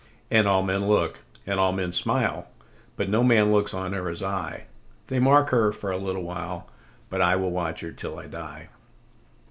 And all men look, and all men smile, But no man looks on her as I:They mark her for a little while, But I will watch her till I die.